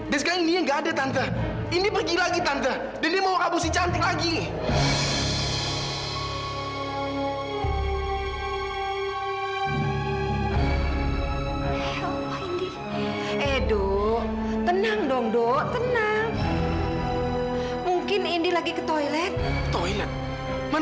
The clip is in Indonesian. dan kita bisa bisa matahui jawabannya